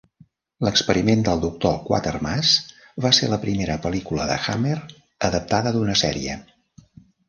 "L'experiment del Dr. Quatermass" va ser la primera pel·lícula de Hammer adaptada d'una sèrie.